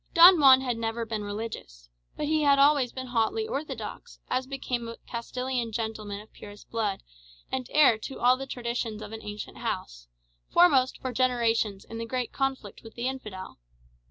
Don Juan had never been religious; but he had always been hotly orthodox, as became a Castilian gentleman of purest blood, and heir to all the traditions of an ancient house, foremost for generations in the great conflict with the infidel.